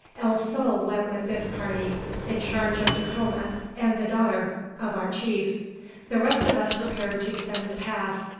El Sol went with this party, in charge of Dacoma and the daughter of our chief. The rest of us prepared to defend the pass.